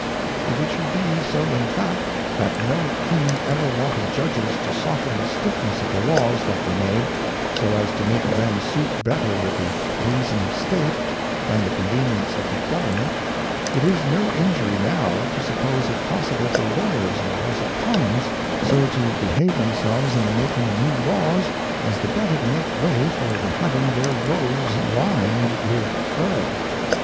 If it should be so in Fact, That no King ever wanted Judges to soften the stiffness of the Laws that were made, so as to make them suit better with the Reason of State, and the Convenience of the Government ; it is no Injury now to suppose it possible for Lavryers in the House of Commons, so to behave themselves in the making of New Laws, as the better to make way for the having their Robes lined with Fur.